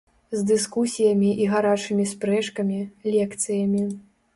З дыскусіямі і гарачымі спрэчкамі, лекцыямі.